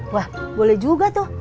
wah boleh juga tuh